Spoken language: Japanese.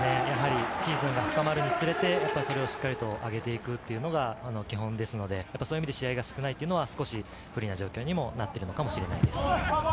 シーズンが深まるにつれてそれをしっかりと上げていくというのが基本ですので、試合が少ないというのは不利な状況にもなってるのかもしれないです。